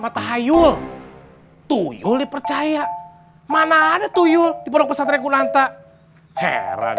mata hayul tuyul dipercaya mana ada tuyul di podok pesantrenku nanta heran